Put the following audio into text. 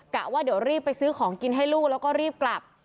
ว่าเดี๋ยวรีบไปซื้อของกินให้ลูกแล้วก็รีบกลับ